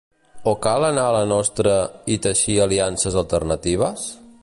O cal anar a la nostra i teixir aliances alternatives?